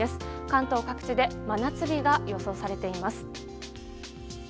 関東各地で真夏日が予想されています。